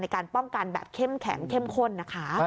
การป้องกันแบบเข้มแข็งเข้มข้นนะคะ